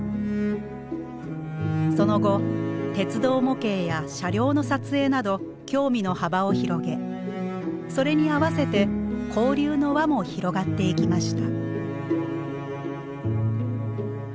その後鉄道模型や車両の撮影など興味の幅を広げそれに合わせて交流の輪も広がっていきました。